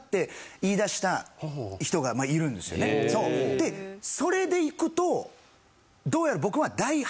でそれでいくとどうやら。